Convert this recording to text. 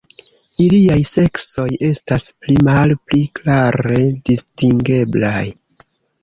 Iliaj seksoj estas pli malpli klare distingeblaj.